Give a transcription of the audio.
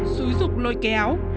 xúi dục lôi kéo